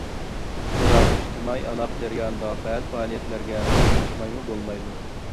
بىراق ئىجتىمائىي ئالاقە جەريانىدا بەزى پائالىيەتلەرگە قاتناشمايمۇ بولمايدۇ.